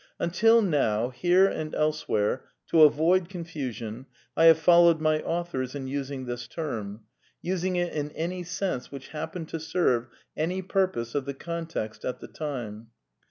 Until now, here and elsewhere, to avoid confusion, I have followed my authors in using this term — using it in any sense which happened to serve any purpose of the context at the time.